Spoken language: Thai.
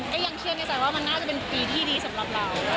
ก็ยังเครียดในใจว่ามันน่าจะเป็นปีที่ดีสำหรับเรา